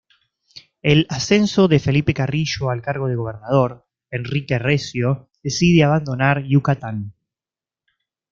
Al ascenso de Felipe Carrillo al cargo de gobernador, Enrique Recio decide abandonar Yucatán.